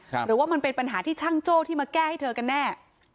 หรือว่ามันเป็นปัญหาที่ช่างโจ้ที่มาแก้ให้เธอกันแน่